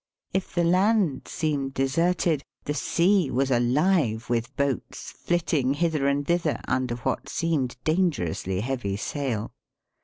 If the land seemed deserted the Sea was alive with boats flitting hither and thither under what seemed dangerously heavy sail.